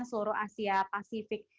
seluruh asia pasifik